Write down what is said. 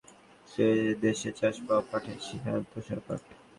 কারণ, বাংলাদেশসহ বিশ্বের বিভিন্ন দেশে চাষ হওয়া পাটের সিংহভাগই তোষা পাট।